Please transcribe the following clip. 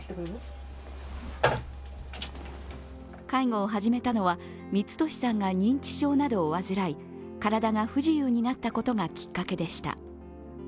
介護を始めたのは光寿さんが認知症などを患い、体が不自由になったことがきっかけでした。